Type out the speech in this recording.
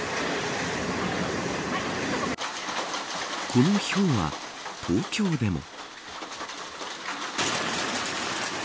このひょうは東京でも。